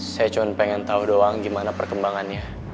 saya cuma pengen tahu doang gimana perkembangannya